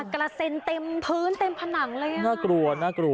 กระเซ็นเต็มพื้นเต็มผนังเลยอ่ะน่ากลัวน่ากลัว